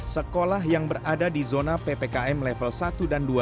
sekolah yang berada di zona ppkm level satu dan dua